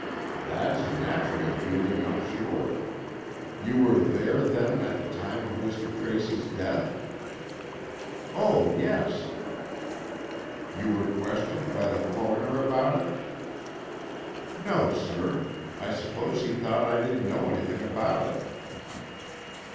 "That's a natural feeling, I'm sure. You were there, then, at the time of Mr. Tracy's death?" "Oh, yes." "Were you questioned by the Coroner about it?" "No, sir. I suppose he thought I didn't know anything about it."